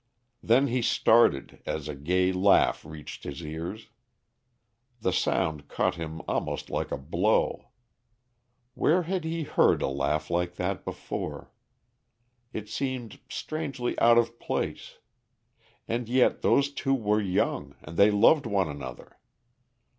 Then he started as a gay laugh reached his ears. The sound caught him almost like a blow. Where had he heard a laugh like that before? It seemed strangely out of place. And yet those two were young, and they loved one another.